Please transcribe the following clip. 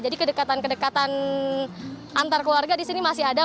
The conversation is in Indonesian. jadi kedekatan kedekatan antar keluarga di sini masih ada